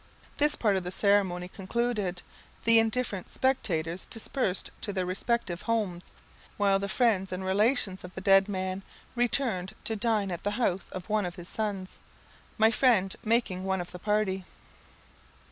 This part of the ceremony concluded, the indifferent spectators dispersed to their respective homes, while the friends and relations of the dead man returned to dine at the house of one of his sons, my friend making one of the party.